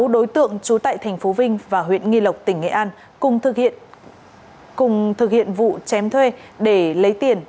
sáu đối tượng trú tại tp vinh và huyện nghi lộc tỉnh nghệ an cùng thực hiện vụ chém thuê để lấy tiền